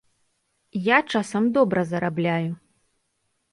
Я часам добра зарабляю.